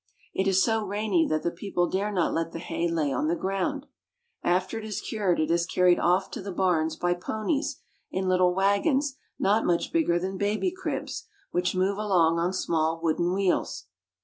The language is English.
It is so rainy that the people dare not let the hay lie on the ground. After it is cured it is carried off to the barns by ponies, in little wagons not much bigger than baby cribs, which move along on small wooden wheels.